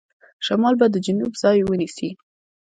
شمال به د جنوب ځای ونیسي.